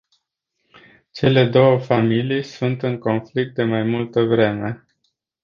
Cele două familii sunt în conflict de mai multă vreme.